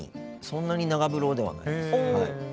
そんなに長風呂ではないです。